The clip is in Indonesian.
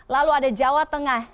lalu ada jawa tengah